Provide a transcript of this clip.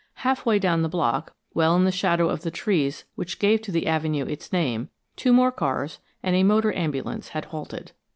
Half way down the block, well in the shadow of the trees which gave to the avenue its name, two more cars and a motor ambulance had halted.